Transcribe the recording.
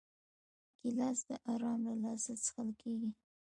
ګیلاس د آرام له لاسه څښل کېږي.